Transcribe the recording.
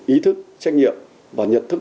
ý thức trách nhiệm và nhận thức